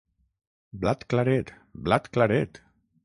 Blat claret! Blat claret!